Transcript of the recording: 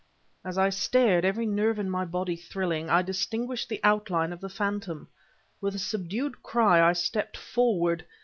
As I stared, every nerve in my body thrilling, I distinguished the outline of the phantom. With a subdued cry, I stepped forward.